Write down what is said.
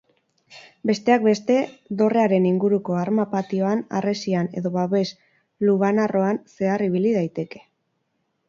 Besteak beste, dorrearen inguruko arma-patioan, harresian edo babes-lubanarroan zehar ibil daiteke.